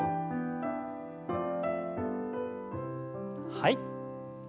はい。